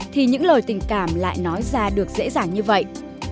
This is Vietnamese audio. thì những lời tình cảm lại nói ra được dễ dàng như vậy